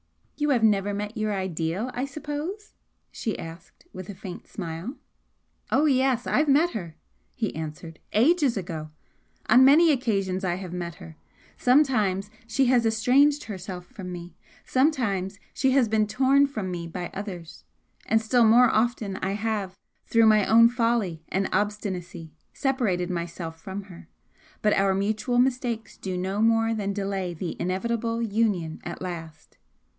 "You have never met your ideal, I suppose?" she asked, with a faint smile. "Oh yes, I've met her!" he answered "Ages ago! On many occasions I have met her; sometimes she has estranged herself from me, sometimes she has been torn from me by others and still more often I have, through my own folly and obstinacy, separated myself from her but our mutual mistakes do no more than delay the inevitable union at last."